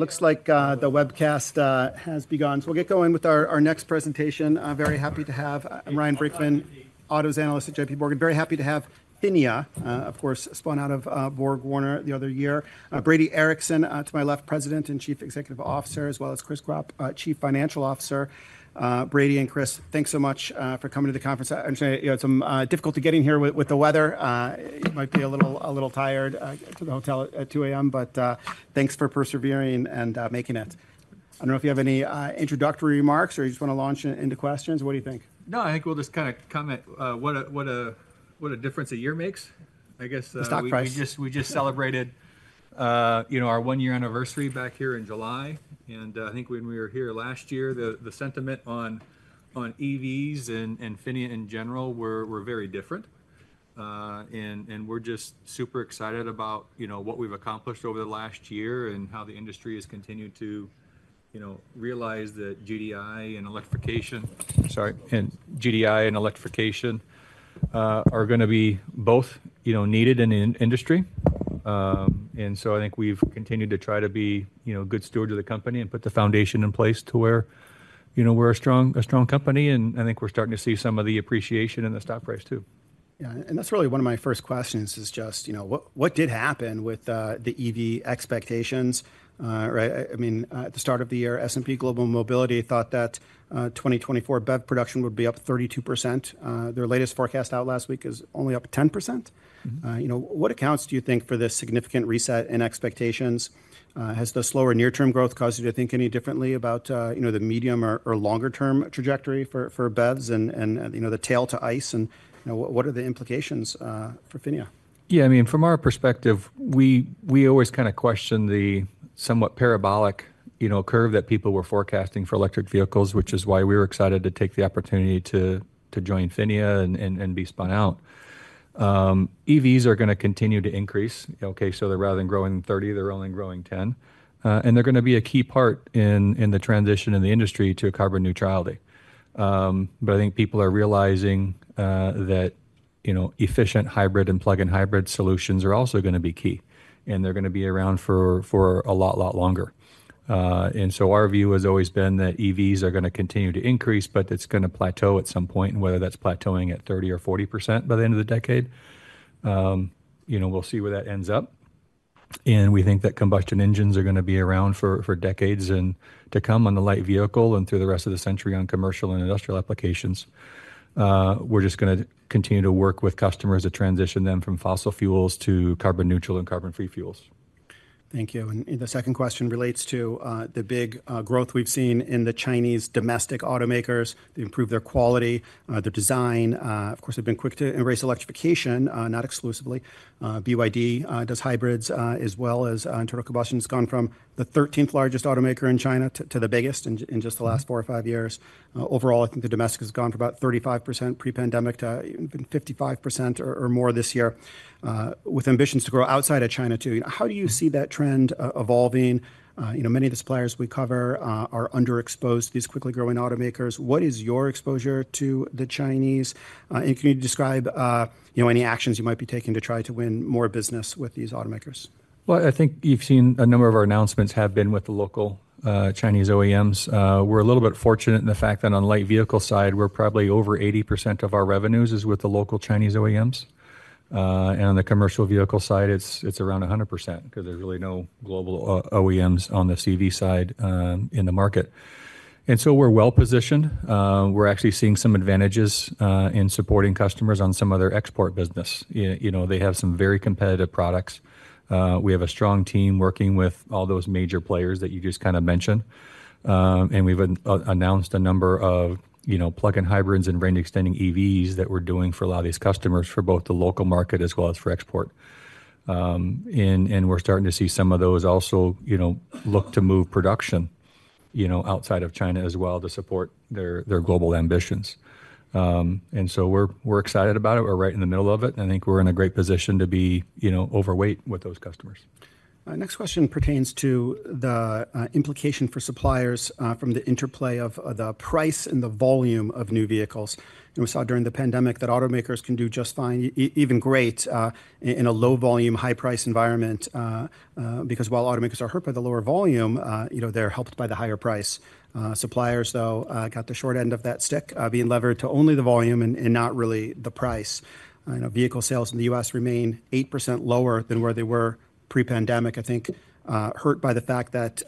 Looks like the webcast has begun. So we'll get going with our next presentation. I'm Ryan Brinkman, autos analyst at JPMorgan. Very happy to have PHINIA, of course, spun out of BorgWarner the other year. Brady Ericson to my left, President and Chief Executive Officer, as well as Chris Gropp, Chief Financial Officer. Brady and Chris, thanks so much for coming to the conference. I understand you had some difficulty getting here with the weather. You might be a little tired to the hotel at 2 A.M., but thanks for persevering and making it. I don't know if you have any introductory remarks or you just want to launch into questions. What do you think? No, I think we'll just kind of comment, what a difference a year makes. I guess, The stock price. We just celebrated, you know, our one-year anniversary back here in July, and I think when we were here last year, the sentiment on EVs and PHINIA in general were very different. And we're just super excited about, you know, what we've accomplished over the last year and how the industry has continued to, you know, realize that GDI and electrification—Sorry, and GDI and electrification, are going to be both, you know, needed in the industry. And so I think we've continued to try to be, you know, a good steward of the company and put the foundation in place to where, you know, we're a strong company, and I think we're starting to see some of the appreciation in the stock price, too. Yeah, and that's really one of my first questions is just, you know, what, what did happen with the EV expectations? I mean, at the start of the year, S&P Global Mobility thought that 2024 BEV production would be up 32%. Their latest forecast out last week is only up 10%. Mm-hmm. You know, what accounts do you think for this significant reset in expectations? Has the slower near-term growth caused you to think any differently about, you know, the medium or longer-term trajectory for BEVs and the tail to ICE? You know, what are the implications for PHINIA? Yeah, I mean, from our perspective, we always kind of question the somewhat parabolic, you know, curve that people were forecasting for electric vehicles, which is why we were excited to take the opportunity to join PHINIA and be spun out. EVs are going to continue to increase. Okay, so rather than growing 30, they're only growing 10. And they're going to be a key part in the transition in the industry to carbon neutrality. But I think people are realizing that, you know, efficient hybrid and plug-in hybrid solutions are also going to be key, and they're going to be around for a lot longer. And so our view has always been that EVs are going to continue to increase, but it's going to plateau at some point. Whether that's plateauing at 30% or 40% by the end of the decade, you know, we'll see where that ends up. We think that combustion engines are going to be around for decades to come on the light vehicle and through the rest of the century on commercial and industrial applications. We're just going to continue to work with customers to transition them from fossil fuels to carbon-neutral and carbon-free fuels. Thank you. The second question relates to the big growth we've seen in the Chinese domestic automakers. They've improved their quality, their design. Of course, they've been quick to embrace electrification, not exclusively. BYD does hybrids, as well as internal combustion, has gone from the 13th largest automaker in China to the biggest in just the last 4 or 5 years. Overall, I think the domestic has gone from about 35% pre-pandemic to even 55% or more this year, with ambitions to grow outside of China, too. How do you see that trend evolving? You know, many of the suppliers we cover are underexposed to these quickly growing automakers. What is your exposure to the Chinese? And can you describe, you know, any actions you might be taking to try to win more business with these automakers? Well, I think you've seen a number of our announcements have been with the local Chinese OEMs. We're a little bit fortunate in the fact that on light vehicle side, we're probably over 80% of our revenues is with the local Chinese OEMs. And on the commercial vehicle side, it's around 100% because there's really no global OEMs on the CV side in the market. And so we're well positioned. We're actually seeing some advantages in supporting customers on some of their export business. You know, they have some very competitive products. We have a strong team working with all those major players that you just kind of mentioned. And we've announced a number of, you know, plug-in hybrids and range-extending EVs that we're doing for a lot of these customers, for both the local market as well as for export. And we're starting to see some of those also, you know, look to move production, you know, outside of China as well, to support their global ambitions. And so we're excited about it. We're right in the middle of it, and I think we're in a great position to be, you know, overweight with those customers. Next question pertains to the implication for suppliers from the interplay of the price and the volume of new vehicles. And we saw during the pandemic that automakers can do just fine, even great, in a low-volume, high-price environment, because while automakers are hurt by the lower volume, you know, they're helped by the higher price. Suppliers, though, got the short end of that stick, being levered to only the volume and not really the price. I know vehicle sales in the U.S. remain 8% lower than where they were pre-pandemic, I think, hurt by the fact that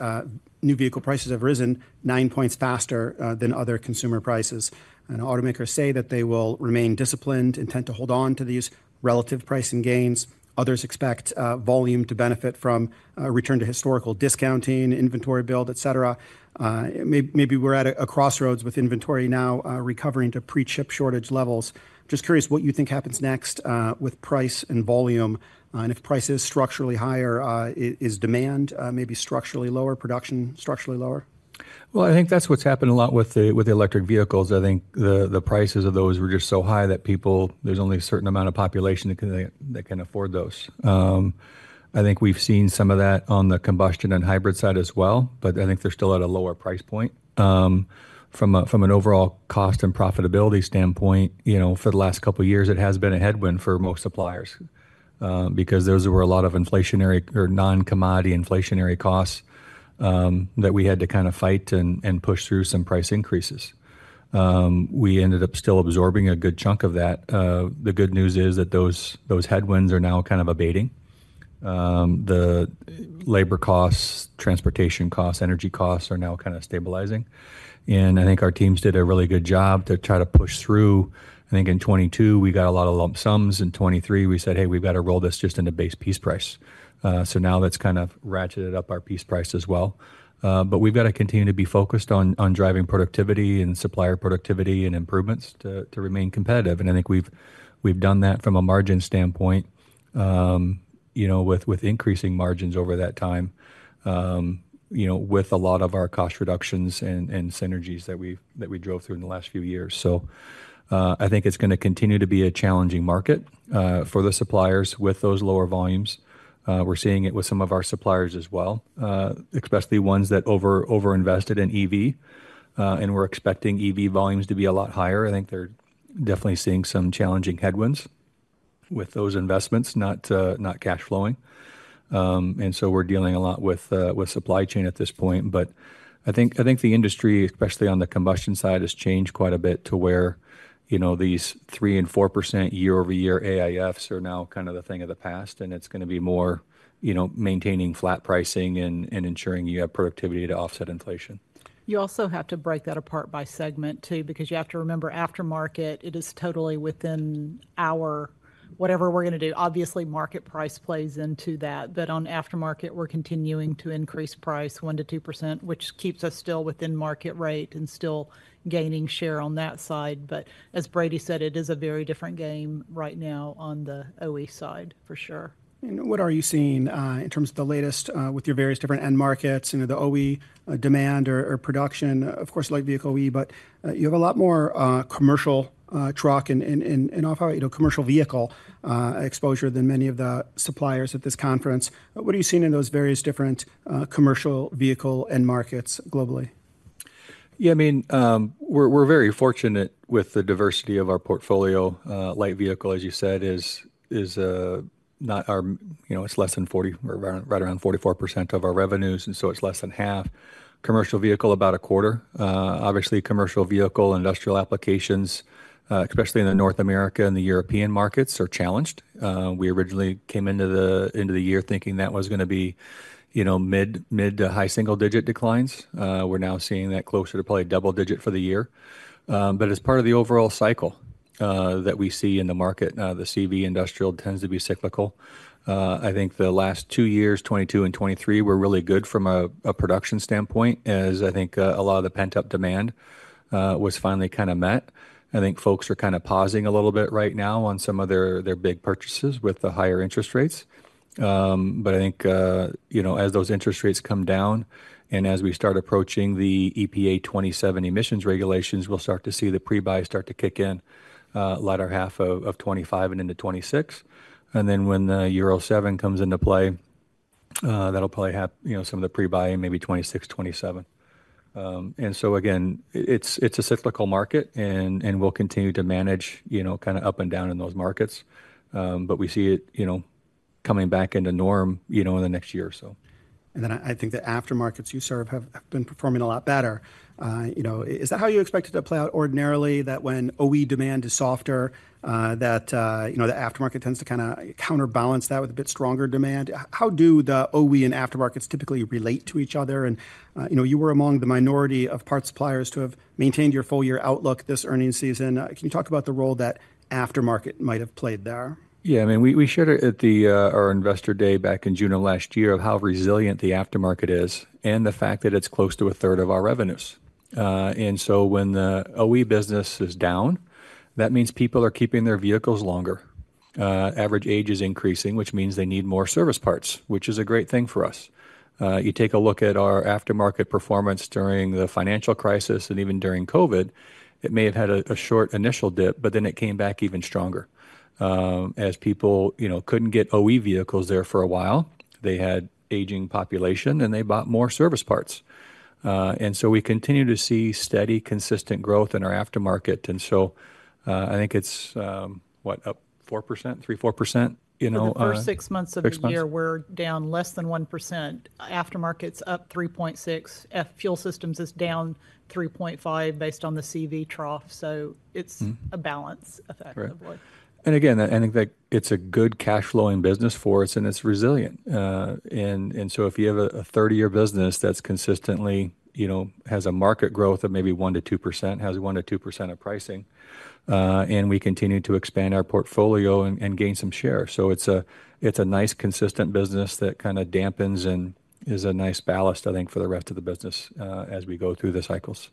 new vehicle prices have risen 9 points faster than other consumer prices. And automakers say that they will remain disciplined, intent to hold on to these relative pricing gains. Others expect volume to benefit from a return to historical discounting, inventory build, et cetera. Maybe we're at a crossroads with inventory now, recovering to pre-chip shortage levels. Just curious what you think happens next with price and volume, and if price is structurally higher, is demand maybe structurally lower, production structurally lower? Well, I think that's what's happened a lot with the electric vehicles. I think the prices of those were just so high that people, there's only a certain amount of population that can afford those. I think we've seen some of that on the combustion and hybrid side as well, but I think they're still at a lower price point. From an overall cost and profitability standpoint, you know, for the last couple of years, it has been a headwind for most suppliers, because those were a lot of inflationary or non-commodity inflationary costs, that we had to kind of fight and push through some price increases. We ended up still absorbing a good chunk of that. The good news is that those headwinds are now kind of abating. The labor costs, transportation costs, energy costs are now kind of stabilizing, and I think our teams did a really good job to try to push through. I think in 2022, we got a lot of lump sums. In 2023, we said, "Hey, we've got to roll this just into base piece price." So now that's kind of ratcheted up our piece price as well. But we've got to continue to be focused on driving productivity and supplier productivity and improvements to remain competitive. And I think we've done that from a margin standpoint, you know, with increasing margins over that time, you know, with a lot of our cost reductions and synergies that we drove through in the last few years. So, I think it's going to continue to be a challenging market for the suppliers with those lower volumes. We're seeing it with some of our suppliers as well, especially ones that over-invested in EV and were expecting EV volumes to be a lot higher. I think they're definitely seeing some challenging headwinds with those investments, not cash flowing. And so we're dealing a lot with supply chain at this point, but I think the industry, especially on the combustion side, has changed quite a bit to where, you know, these 3% and 4% year-over-year AIFs are now kind of a thing of the past, and it's going to be more, you know, maintaining flat pricing and ensuring you have productivity to offset inflation. You also have to break that apart by segment, too, because you have to remember, aftermarket, it is totally within our... Whatever we're going to do. Obviously, market price plays into that, but on aftermarket, we're continuing to increase price 1%-2%, which keeps us still within market rate and still gaining share on that side. But as Brady said, it is a very different game right now on the OE side, for sure. What are you seeing in terms of the latest with your various different end markets, you know, the OE demand or production? Of course, light vehicle OE, but you have a lot more commercial truck and off-highway, you know, commercial vehicle exposure than many of the suppliers at this conference. What are you seeing in those various different commercial vehicle and markets globally? Yeah, I mean, we're very fortunate with the diversity of our portfolio. Light vehicle, as you said, is not our-- you know, it's less than 40, right around 44% of our revenues, and so it's less than half. Commercial vehicle, about a quarter. Obviously, commercial vehicle, industrial applications, especially in North America and the European markets, are challenged. We originally came into the year thinking that was going to be, you know, mid to high single-digit declines. We're now seeing that closer to probably double-digit for the year. But as part of the overall cycle that we see in the market, the CV industrial tends to be cyclical. I think the last two years, 2022 and 2023, were really good from a production standpoint, as I think a lot of the pent-up demand was finally kind of met. I think folks are kind of pausing a little bit right now on some of their big purchases with the higher interest rates. But I think, you know, as those interest rates come down and as we start approaching the EPA 2027 emissions regulations, we'll start to see the pre-buys start to kick in, latter half of 2025 and into 2026. And then when the Euro 7 comes into play, that'll probably have, you know, some of the pre-buying maybe 2026, 2027. And so again, it's a cyclical market, and we'll continue to manage, you know, kind of up and down in those markets. But we see it, you know, coming back into norm, you know, in the next year or so. And then I think the aftermarkets you serve have been performing a lot better. You know, is that how you expect it to play out ordinarily, that when OE demand is softer, you know, the aftermarket tends to kinda counterbalance that with a bit stronger demand? How do the OE and aftermarkets typically relate to each other? You know, you were among the minority of parts suppliers to have maintained your full year outlook this earnings season. Can you talk about the role that aftermarket might have played there? Yeah, I mean, we shared it at our Investor Day back in June of last year, of how resilient the aftermarket is and the fact that it's close to a third of our revenues. And so when the OE business is down, that means people are keeping their vehicles longer. Average age is increasing, which means they need more service parts, which is a great thing for us. You take a look at our aftermarket performance during the financial crisis, and even during COVID, it may have had a short initial dip, but then it came back even stronger. As people, you know, couldn't get OE vehicles there for a while, they had aging population, and they bought more service parts. And so we continue to see steady, consistent growth in our aftermarket, and so I think it's up 3%-4%, you know. For the first six months of the year- Six months... we're down less than 1%. Aftermarket's up 3.6%. Fuel systems is down 3.5% based on the CV trough, so- Mm-hmm... it's a balance effectively. Right. And again, I think that it's a good cash flowing business for us, and it's resilient. And so if you have a 30-year business that's consistently, you know, has a market growth of maybe 1%-2%, has 1%-2% of pricing, and we continue to expand our portfolio and gain some share. So it's a nice, consistent business that kind of dampens and is a nice ballast, I think, for the rest of the business, as we go through the cycles.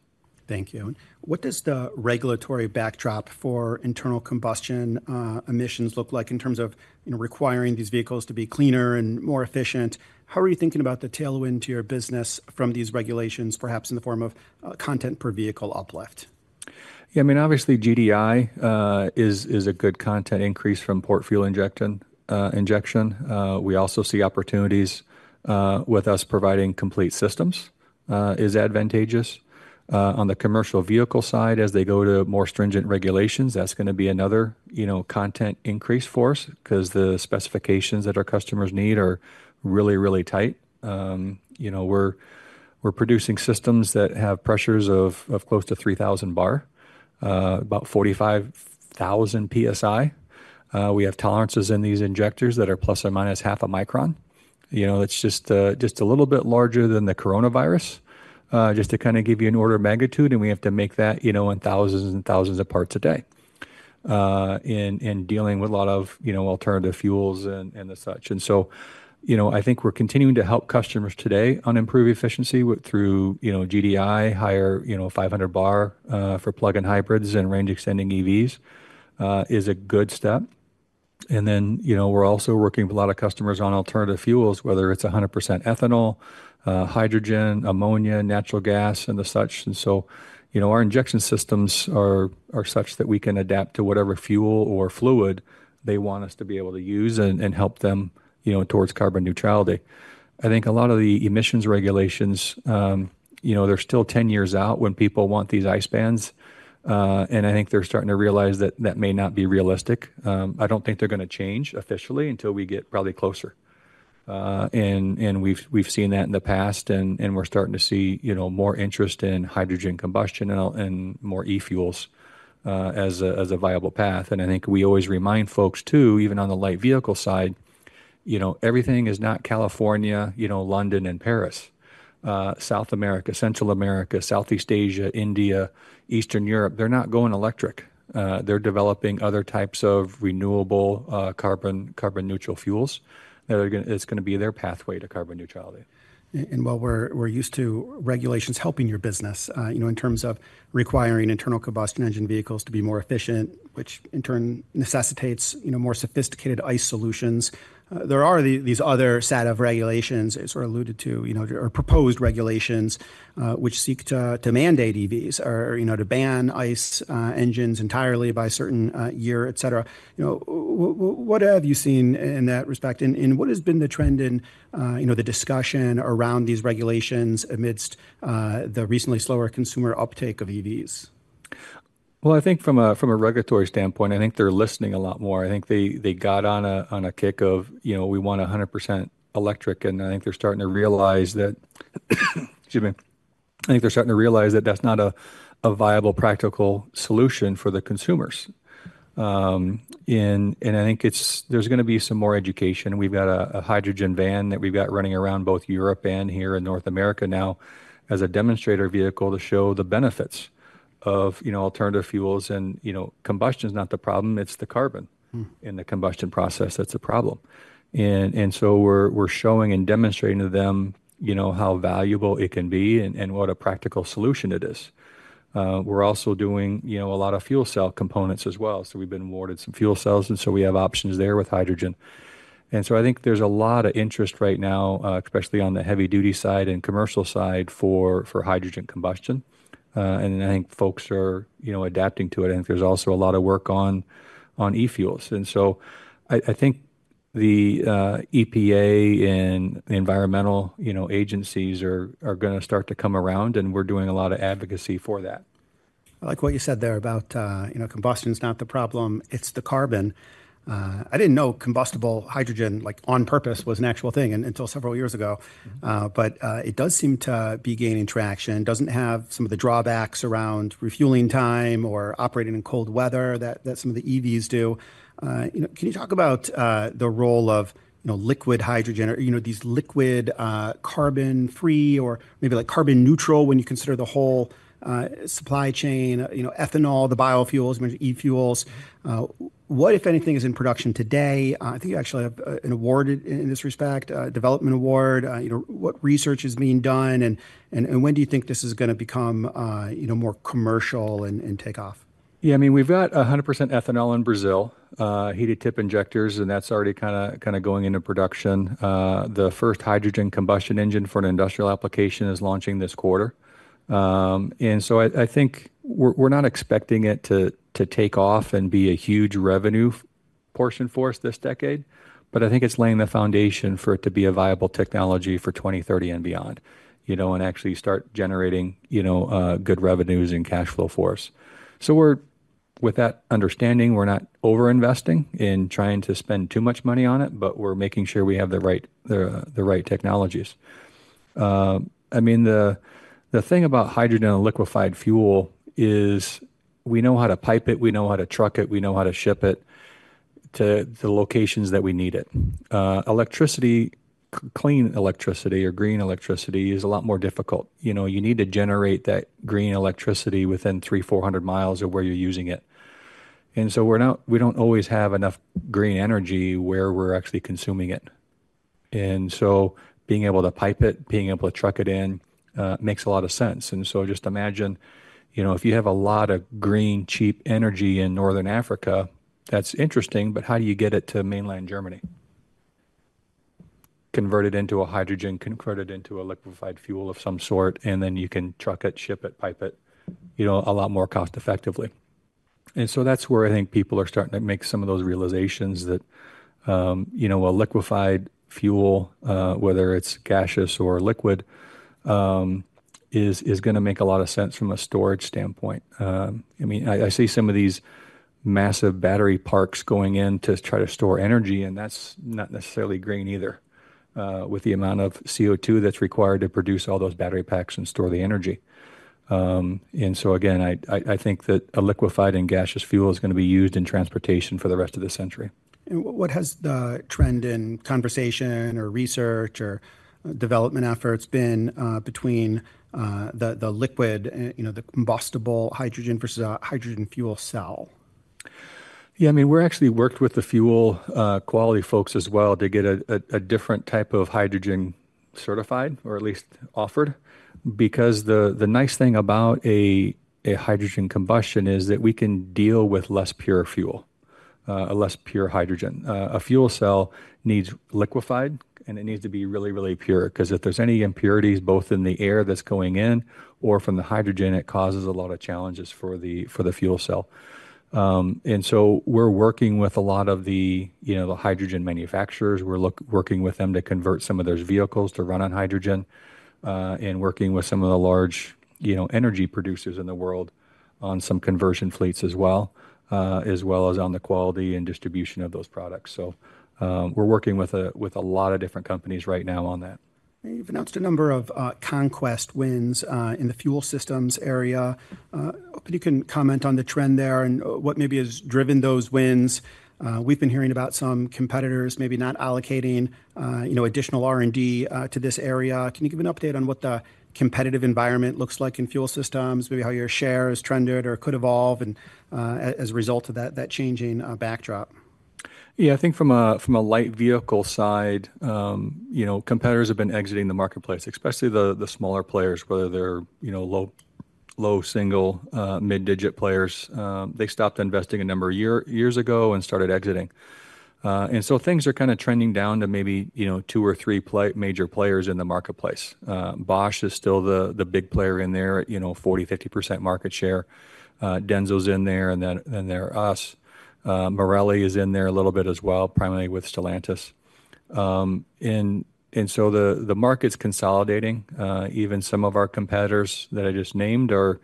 Thank you. What does the regulatory backdrop for internal combustion, emissions look like in terms of, you know, requiring these vehicles to be cleaner and more efficient? How are you thinking about the tailwind to your business from these regulations, perhaps in the form of, content per vehicle uplift? Yeah, I mean, obviously, GDI is a good content increase from port fuel injection. We also see opportunities with us providing complete systems is advantageous. On the commercial vehicle side, as they go to more stringent regulations, that's going to be another, you know, content increase for us because the specifications that our customers need are really, really tight. You know, we're producing systems that have pressures of close to 3,000 bar, about 45,000 PSI. We have tolerances in these injectors that are plus or minus half a micron. You know, it's just just a little bit larger than the coronavirus just to kind of give you an order of magnitude, and we have to make that, you know, in thousands and thousands of parts a day. In dealing with a lot of, you know, alternative fuels and the such. So, you know, I think we're continuing to help customers today on improving efficiency through, you know, GDI, higher, you know, 500 bar, for plug-in hybrids and range-extending EVs, is a good step. And then, you know, we're also working with a lot of customers on alternative fuels, whether it's 100% ethanol, hydrogen, ammonia, natural gas, and the such. So, you know, our injection systems are such that we can adapt to whatever fuel or fluid they want us to be able to use and help them, you know, towards carbon neutrality. I think a lot of the emissions regulations, you know, they're still 10 years out when people want these ICE bans, and I think they're starting to realize that that may not be realistic. I don't think they're gonna change officially until we get probably closer. And we've seen that in the past, and we're starting to see, you know, more interest in hydrogen combustion and more e-fuels, as a viable path. And I think we always remind folks, too, even on the light vehicle side, you know, everything is not California, you know, London, and Paris. South America, Central America, Southeast Asia, India, Eastern Europe, they're not going electric. They're developing other types of renewable carbon-neutral fuels that are gonna be their pathway to carbon neutrality. While we're used to regulations helping your business, you know, in terms of requiring internal combustion engine vehicles to be more efficient, which in turn necessitates, you know, more sophisticated ICE solutions, there are these other set of regulations, as we alluded to, you know, or proposed regulations, which seek to mandate EVs or, you know, to ban ICE engines entirely by a certain year, et cetera. You know, what have you seen in that respect, and what has been the trend in, you know, the discussion around these regulations amidst the recently slower consumer uptake of EVs? Well, I think from a regulatory standpoint, I think they're listening a lot more. I think they got on a kick of, you know, we want 100% electric, and I think they're starting to realize that, excuse me, I think they're starting to realize that that's not a viable, practical solution for the consumers. And I think it's, there's gonna be some more education. We've got a hydrogen van that we've got running around both Europe and here in North America now as a demonstrator vehicle to show the benefits of, you know, alternative fuels. And, you know, combustion is not the problem, it's the carbon- Mm-hmm. In the combustion process, that's a problem. And so we're showing and demonstrating to them, you know, how valuable it can be and what a practical solution it is. We're also doing, you know, a lot of fuel cell components as well, so we've been awarded some fuel cells, and so we have options there with hydrogen. And so I think there's a lot of interest right now, especially on the heavy-duty side and commercial side, for hydrogen combustion. And I think folks are, you know, adapting to it, and there's also a lot of work on e-fuels. And so I think the EPA and the environmental, you know, agencies are gonna start to come around, and we're doing a lot of advocacy for that. I like what you said there about, you know, combustion is not the problem, it's the carbon. I didn't know combustible hydrogen, like, on purpose, was an actual thing until several years ago. Mm-hmm. But it does seem to be gaining traction. It doesn't have some of the drawbacks around refueling time or operating in cold weather that some of the EVs do. You know, can you talk about the role of, you know, liquid hydrogen or, you know, these liquid carbon-free or maybe, like, carbon neutral when you consider the whole supply chain, you know, ethanol, the biofuels, maybe e-fuels. What, if anything, is in production today? I think you actually have an award in this respect, a development award. You know, what research is being done, and when do you think this is gonna become, you know, more commercial and take off? Yeah, I mean, we've got 100% ethanol in Brazil, heated tip injectors, and that's already kinda going into production. The first hydrogen combustion engine for an industrial application is launching this quarter. And so I think we're not expecting it to take off and be a huge revenue portion for us this decade, but I think it's laying the foundation for it to be a viable technology for 2030 and beyond, you know, and actually start generating, you know, good revenues and cash flow for us. So, with that understanding, we're not overinvesting in trying to spend too much money on it, but we're making sure we have the right technologies. I mean, the thing about hydrogen and liquefied fuel is we know how to pipe it, we know how to truck it, we know how to ship it to the locations that we need it. Electricity, clean electricity or green electricity, is a lot more difficult. You know, you need to generate that green electricity within 300-400 miles of where you're using it. And so we don't always have enough green energy where we're actually consuming it. And so being able to pipe it, being able to truck it in, makes a lot of sense. And so just imagine, you know, if you have a lot of green, cheap energy in Northern Africa, that's interesting, but how do you get it to mainland Germany? Convert it into a hydrogen, convert it into a liquefied fuel of some sort, and then you can truck it, ship it, pipe it, you know, a lot more cost-effectively. And so that's where I think people are starting to make some of those realizations that, you know, a liquefied fuel, whether it's gaseous or liquid, is gonna make a lot of sense from a storage standpoint. I mean, I see some of these massive battery parks going in to try to store energy, and that's not necessarily green either, with the amount of CO2 that's required to produce all those battery packs and store the energy. And so again, I think that a liquefied and gaseous fuel is going to be used in transportation for the rest of this century. What has the trend in conversation or research or development efforts been between the liquid and, you know, the combustible hydrogen versus a hydrogen fuel cell? Yeah, I mean, we're actually worked with the fuel quality folks as well to get a different type of hydrogen certified or at least offered. Because the nice thing about a hydrogen combustion is that we can deal with less pure fuel, a less pure hydrogen. A fuel cell needs liquefied, and it needs to be really, really pure, 'cause if there's any impurities, both in the air that's going in or from the hydrogen, it causes a lot of challenges for the fuel cell. And so we're working with a lot of the, you know, the hydrogen manufacturers. We're working with them to convert some of those vehicles to run on hydrogen, and working with some of the large, you know, energy producers in the world on some conversion fleets as well, as well as on the quality and distribution of those products. So, we're working with a lot of different companies right now on that. You've announced a number of conquest wins in the fuel systems area. If you can comment on the trend there and what maybe has driven those wins. We've been hearing about some competitors maybe not allocating, you know, additional R&D to this area. Can you give an update on what the competitive environment looks like in fuel systems, maybe how your share has trended or could evolve and, as a result of that, that changing backdrop? Yeah, I think from a, from a light vehicle side, you know, competitors have been exiting the marketplace, especially the, the smaller players, whether they're, you know, low single, mid-digit players. They stopped investing a number of years ago and started exiting. And so things are kind of trending down to maybe, you know, 2 or 3 major players in the marketplace. Bosch is still the big player in there, you know, 40%-50% market share. Denso's in there, and then, and there are us. Marelli is in there a little bit as well, primarily with Stellantis. And so the market's consolidating. Even some of our competitors that I just named are,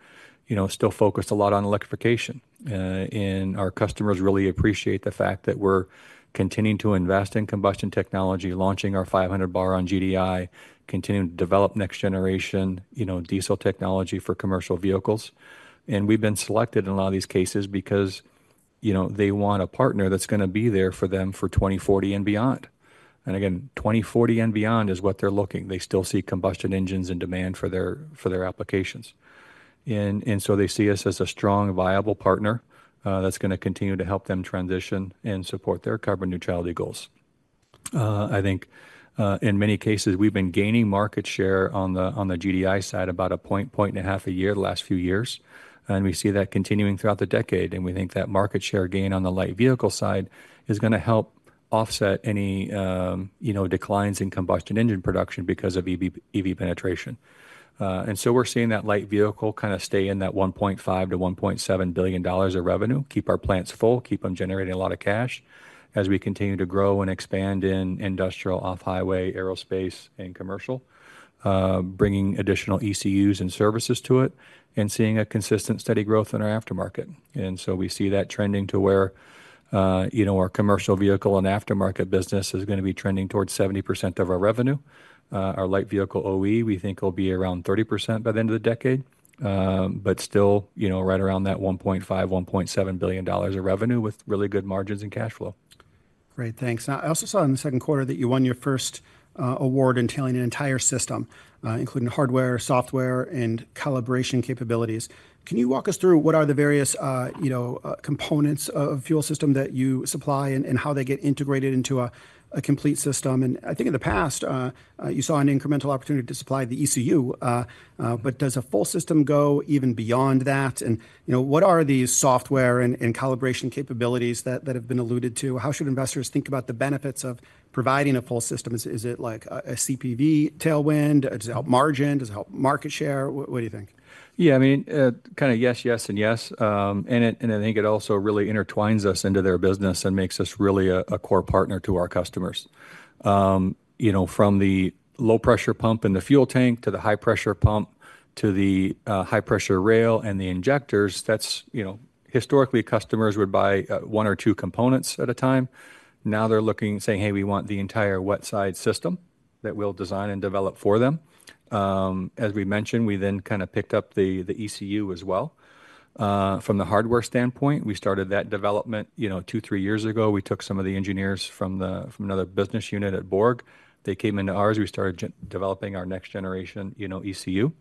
you know, still focused a lot on electrification. And our customers really appreciate the fact that we're continuing to invest in combustion technology, launching our 500 bar on GDI, continuing to develop next generation, you know, diesel technology for commercial vehicles. And we've been selected in a lot of these cases because, you know, they want a partner that's gonna be there for them for 2040 and beyond. And again, 2040 and beyond is what they're looking. They still see combustion engines in demand for their, for their applications. And, and so they see us as a strong, viable partner, that's gonna continue to help them transition and support their carbon neutrality goals. I think, in many cases, we've been gaining market share on the, on the GDI side about a point, point and a half a year, the last few years, and we see that continuing throughout the decade. And we think that market share gain on the light vehicle side is gonna help offset any, you know, declines in combustion engine production because of EV penetration. And so we're seeing that light vehicle kind of stay in that $1.5 billion-$1.7 billion of revenue, keep our plants full, keep them generating a lot of cash as we continue to grow and expand in industrial, off-highway, aerospace, and commercial, bringing additional ECUs and services to it and seeing a consistent, steady growth in our aftermarket. And so we see that trending to where, you know, our commercial vehicle and aftermarket business is gonna be trending towards 70% of our revenue. Our light vehicle OE, we think, will be around 30% by the end of the decade. But still, you know, right around that $1.5 billion-$1.7 billion of revenue with really good margins and cash flow. Great, thanks. Now, I also saw in the second quarter that you won your first award in tailoring an entire system, including hardware, software, and calibration capabilities. Can you walk us through what are the various, you know, components of fuel system that you supply and how they get integrated into a complete system? And I think in the past, you saw an incremental opportunity to supply the ECU, but does a full system go even beyond that? And, you know, what are these software and calibration capabilities that have been alluded to? How should investors think about the benefits of providing a full system? Is it like a CPV tailwind? Does it help margin? Does it help market share? What do you think? Yeah, I mean, kind of yes, yes, and yes. And it, and I think it also really intertwines us into their business and makes us really a core partner to our customers. You know, from the low-pressure pump in the fuel tank to the high-pressure pump, to the high-pressure rail and the injectors, that's. You know, historically, customers would buy 1 or 2 components at a time. Now, they're looking, saying: "Hey, we want the entire wet side system that we'll design and develop for them." As we mentioned, we then kind of picked up the ECU as well. From the hardware standpoint, we started that development, you know, 2-3 years ago. We took some of the engineers from another business unit at Borg. They came into ours. We started developing our next generation, you know, ECU.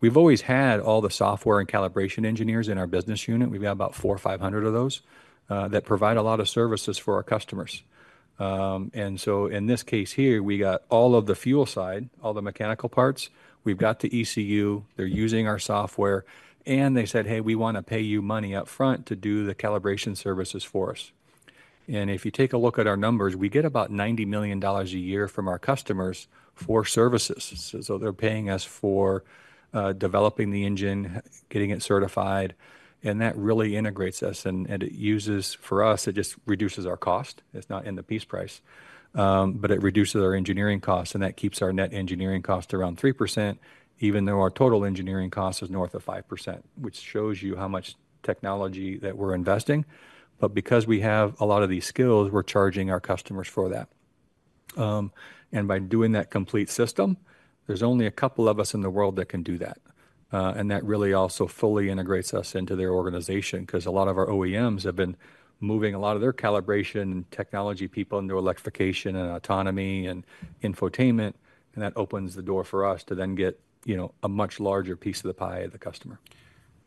We've always had all the software and calibration engineers in our business unit. We've got about 400 or 500 of those that provide a lot of services for our customers. And so in this case here, we got all of the fuel side, all the mechanical parts, we've got the ECU, they're using our software, and they said: "Hey, we want to pay you money up front to do the calibration services for us." And if you take a look at our numbers, we get about $90 million a year from our customers for services. So they're paying us for developing the engine, getting it certified, and that really integrates us, and it uses. For us, it just reduces our cost. It's not in the piece price, but it reduces our engineering costs, and that keeps our net engineering cost around 3%, even though our total engineering cost is north of 5%, which shows you how much technology that we're investing. But because we have a lot of these skills, we're charging our customers for that. And by doing that complete system, there's only a couple of us in the world that can do that. And that really also fully integrates us into their organization, 'cause a lot of our OEMs have been moving a lot of their calibration and technology people into electrification and autonomy and infotainment, and that opens the door for us to then get, you know, a much larger piece of the pie of the customer.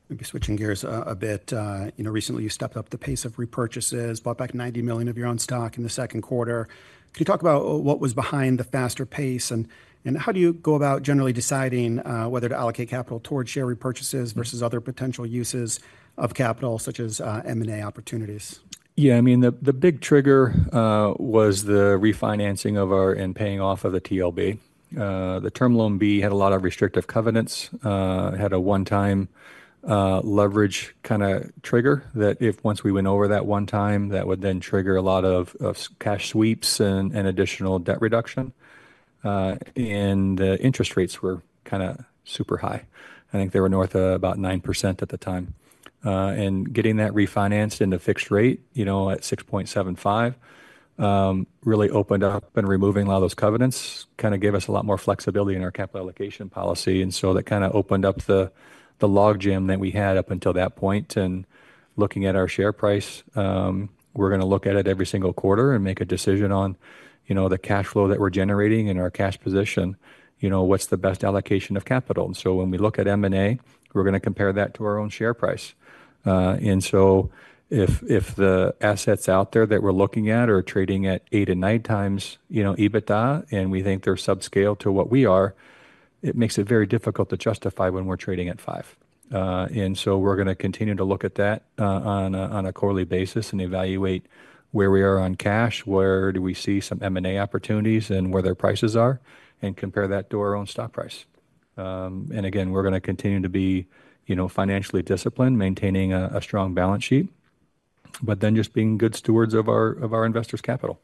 Maybe switching gears a bit. You know, recently you stepped up the pace of repurchases, bought back $90 million of your own stock in the second quarter. Can you talk about what was behind the faster pace, and how do you go about generally deciding whether to allocate capital towards share repurchases versus other potential uses of capital, such as M&A opportunities? Yeah, I mean, the big trigger was the refinancing of our and paying off of the TLB. The Term Loan B had a lot of restrictive covenants, had a one-time leverage kind of trigger, that if once we went over that one time, that would then trigger a lot of cash sweeps and additional debt reduction. And the interest rates were kind of super high. I think they were north of about 9% at the time. And getting that refinanced into fixed rate, you know, at 6.75%, really opened up, and removing a lot of those covenants, kind of gave us a lot more flexibility in our capital allocation policy, and so that kind of opened up the logjam that we had up until that point. Looking at our share price, we're going to look at it every single quarter and make a decision on, you know, the cash flow that we're generating and our cash position. You know, what's the best allocation of capital? And so when we look at M&A, we're going to compare that to our own share price. And so if the assets out there that we're looking at are trading at 8 and 9x, you know, EBITDA, and we think they're subscale to what we are, it makes it very difficult to justify when we're trading at 5. And so we're going to continue to look at that, on a quarterly basis and evaluate where we are on cash, where do we see some M&A opportunities and where their prices are, and compare that to our own stock price. And again, we're going to continue to be, you know, financially disciplined, maintaining a strong balance sheet, but then just being good stewards of our investors' capital.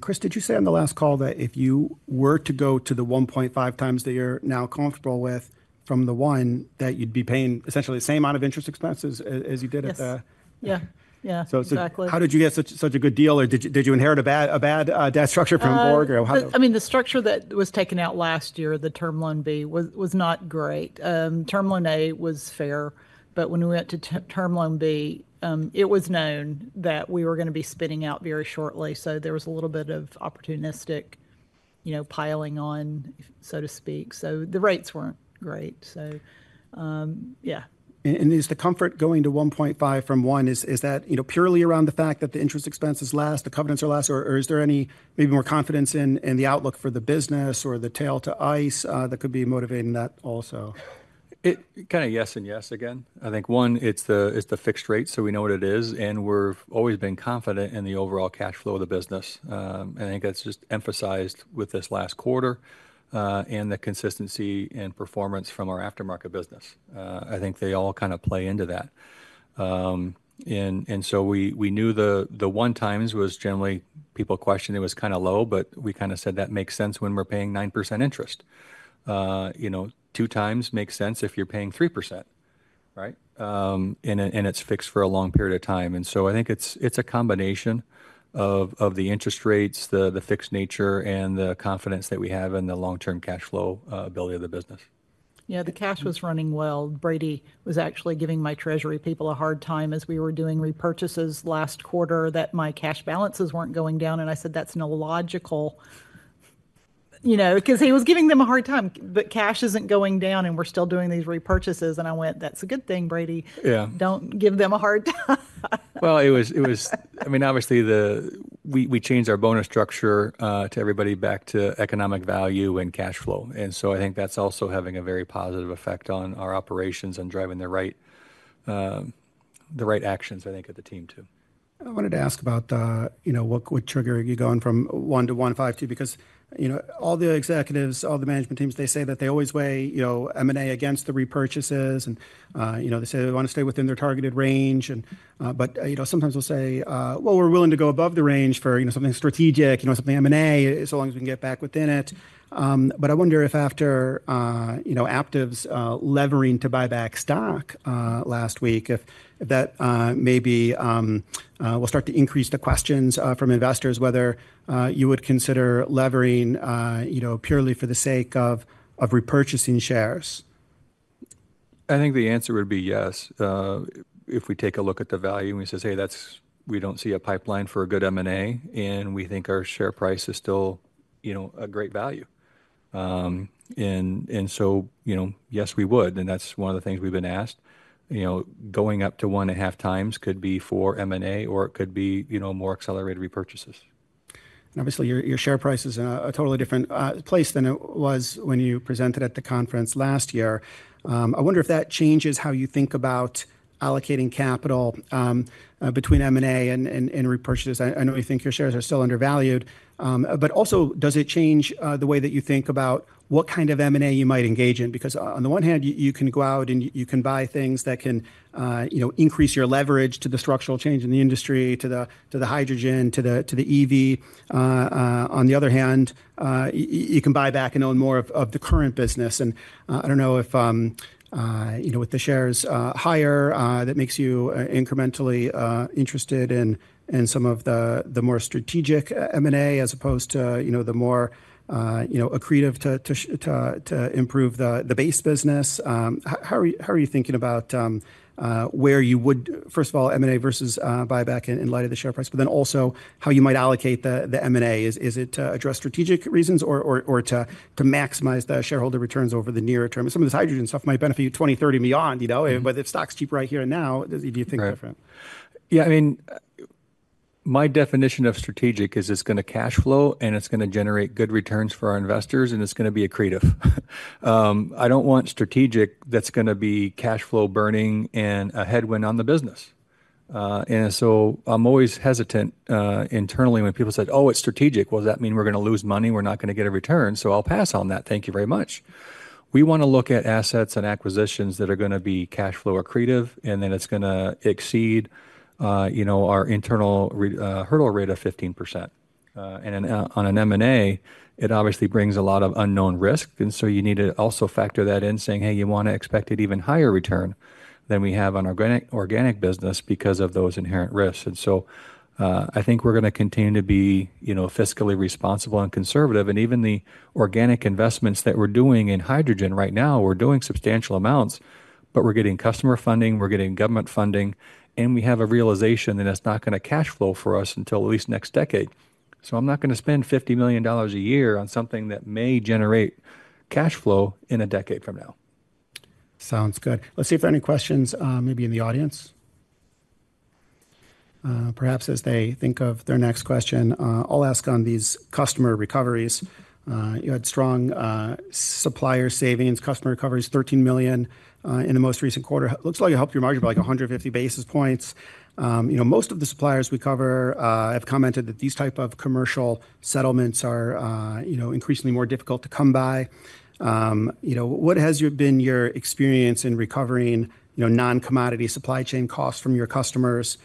Chris, did you say on the last call that if you were to go to the 1.5x that you're now comfortable with from the 1, that you'd be paying essentially the same amount of interest expenses as, as you did at the- Yes. Yeah. Yeah, exactly. So, how did you get such a good deal, or did you inherit a bad debt structure from Borg, or how? I mean, the structure that was taken out last year, the Term Loan B, was not great. Term Loan A was fair, but when we went to Term Loan B, it was known that we were going to be spinning out very shortly, so there was a little bit of opportunistic, you know, piling on, so to speak. So, yeah. And is the comfort going to 1.5 from 1, is that, you know, purely around the fact that the interest expense is less, the covenants are less, or is there any maybe more confidence in the outlook for the business or the tailwinds to ICE that could be motivating that also? It kind of yes and yes again. I think, one, it's the, it's the fixed rate, so we know what it is, and we've always been confident in the overall cash flow of the business. And I think that's just emphasized with this last quarter, and the consistency and performance from our aftermarket business. I think they all kind of play into that. And so we knew the 1x was generally... people questioned, it was kind of low, but we kind of said that makes sense when we're paying 9% interest. You know, 2x makes sense if you're paying 3%, right? And it's fixed for a long period of time. I think it's a combination of the interest rates, the fixed nature, and the confidence that we have in the long-term cash flow ability of the business. Yeah, the cash was running well. Brady was actually giving my treasury people a hard time as we were doing repurchases last quarter, that my cash balances weren't going down, and I said, "That's illogical." You know, 'cause he was giving them a hard time, but cash isn't going down, and we're still doing these repurchases. And I went, "That's a good thing, Brady. Yeah. Don't give them a hard time. Well, it was—I mean, obviously, the... we changed our bonus structure to everybody back to economic value and cash flow. And so I think that's also having a very positive effect on our operations and driving the right actions, I think, at the team too. I wanted to ask about, you know, what, what triggered you going from 1 to 1.52, because, you know, all the executives, all the management teams, they say that they always weigh, you know, M&A against the repurchases, and, you know, they say they want to stay within their targeted range and, but, you know, sometimes they'll say, "Well, we're willing to go above the range for, you know, something strategic, you know, something M&A, so long as we can get back within it." But I wonder if after, you know, Aptiv's levering to buy back stock, last week, if that maybe will start to increase the questions, from investors, whether you would consider levering, you know, purely for the sake of repurchasing shares? I think the answer would be yes. If we take a look at the value, and we say, "Hey, that's, we don't see a pipeline for a good M&A, and we think our share price is still, you know, a great value." And so, you know, yes, we would, and that's one of the things we've been asked. You know, going up to 1.5x could be for M&A, or it could be, you know, more accelerated repurchases. Obviously, your share price is in a totally different place than it was when you presented at the conference last year. I wonder if that changes how you think about allocating capital between M&A and repurchases. I know you think your shares are still undervalued, but also, does it change the way that you think about what kind of M&A you might engage in? Because on the one hand, you can go out and you can buy things that can, you know, increase your leverage to the structural change in the industry, to the hydrogen, to the EV. On the other hand, you can buy back and own more of the current business. I don't know if, you know, with the shares higher, that makes you incrementally interested in some of the more strategic M&A, as opposed to, you know, the more accretive to improve the base business. How are you thinking about where you would, first of all, M&A versus buyback in light of the share price, but then also how you might allocate the M&A? Is it to address strategic reasons or to maximize the shareholder returns over the nearer term? Some of this hydrogen stuff might benefit you 20, 30 beyond, you know, but if stock's cheap right here and now, do you think different? Right. Yeah, I mean, my definition of strategic is it's going to cash flow, and it's going to generate good returns for our investors, and it's going to be accretive. I don't want strategic that's going to be cash flow burning and a headwind on the business. And so I'm always hesitant, internally, when people said, "Oh, it's strategic." Well, does that mean we're going to lose money? We're not going to get a return, so I'll pass on that. Thank you very much. We want to look at assets and acquisitions that are going to be cash flow accretive, and then it's going to exceed, you know, our internal hurdle rate of 15%. And on an M&A, it obviously brings a lot of unknown risk, and so you need to also factor that in, saying: "Hey, you want to expect an even higher return than we have on organic, organic business because of those inherent risks." And so, I think we're going to continue to be, you know, fiscally responsible and conservative. And even the organic investments that we're doing in hydrogen right now, we're doing substantial amounts, but we're getting customer funding, we're getting government funding, and we have a realization that it's not going to cash flow for us until at least next decade. So I'm not going to spend $50 million a year on something that may generate cash flow in a decade from now. Sounds good. Let's see if there are any questions, maybe in the audience. Perhaps as they think of their next question, I'll ask on these customer recoveries. You had strong supplier savings, customer recoveries, $13 million in the most recent quarter. It looks like it helped your margin by, like, 150 basis points. You know, most of the suppliers we cover have commented that these type of commercial settlements are, you know, increasingly more difficult to come by. You know, what has your experience been in recovering, you know, non-commodity supply chain costs from your customers?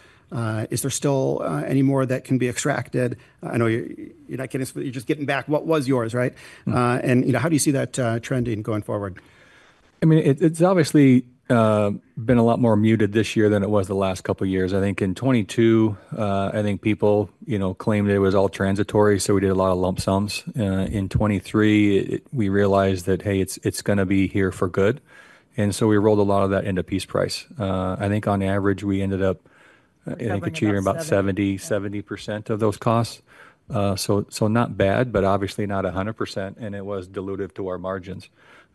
Is there still any more that can be extracted? I know you're not going to, but you're just getting back what was yours, right? Mm-hmm. You know, how do you see that trending going forward? I mean, it's obviously been a lot more muted this year than it was the last couple of years. I think in 2022, I think people, you know, claimed it was all transitory, so we did a lot of lump sums. In 2023, we realized that, hey, it's going to be here for good, and so we rolled a lot of that into piece price. I think on average, we ended up, I think, getting about 70, 70% of those costs. So, so not bad, but obviously not 100%, and it was dilutive to our margins.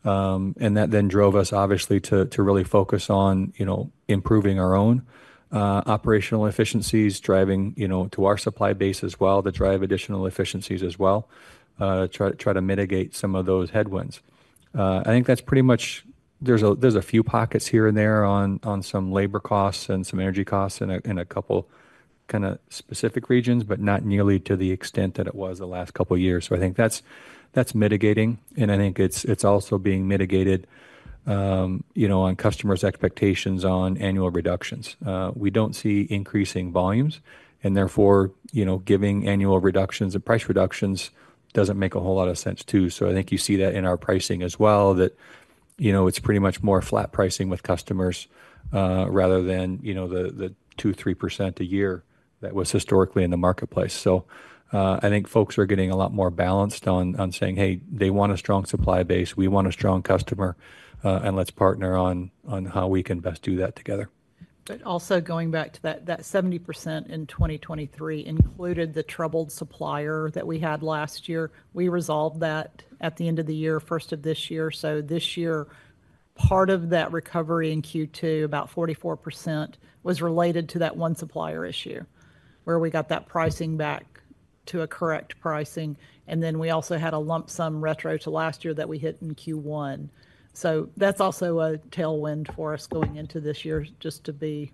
And that then drove us, obviously, to really focus on, you know, improving our own operational efficiencies, driving, you know, to our supply base as well, to drive additional efficiencies as well, to try to mitigate some of those headwinds. I think that's pretty much... There's a few pockets here and there on some labor costs and some energy costs in a couple kind of specific regions, but not nearly to the extent that it was the last couple of years. So I think that's mitigating, and I think it's also being mitigated, you know, on customers' expectations on annual reductions. We don't see increasing volumes, and therefore, you know, giving annual reductions and price reductions doesn't make a whole lot of sense, too. So I think you see that in our pricing as well, that, you know, it's pretty much more flat pricing with customers, rather than, you know, the 2-3% a year that was historically in the marketplace. So, I think folks are getting a lot more balanced on, on saying: "Hey, they want a strong supply base. We want a strong customer, and let's partner on how we can best do that together. But also going back to that, that 70% in 2023 included the troubled supplier that we had last year. We resolved that at the end of the year, first of this year. So this year, part of that recovery in Q2, about 44%, was related to that one supplier issue, where we got that pricing back to a correct pricing. And then we also had a lump sum retro to last year that we hit in Q1. So that's also a tailwind for us going into this year, just to be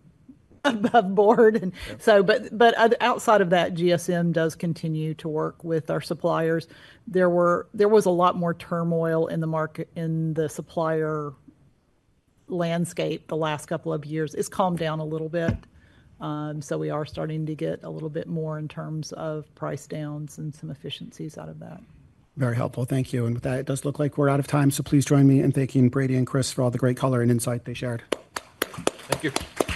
above board. And so, but, but outside of that, GSM does continue to work with our suppliers. There was a lot more turmoil in the market, in the supplier landscape the last couple of years. It's calmed down a little bit, so we are starting to get a little bit more in terms of price downs and some efficiencies out of that. Very helpful. Thank you. And with that, it does look like we're out of time, so please join me in thanking Brady and Chris for all the great color and insight they shared. Thank you.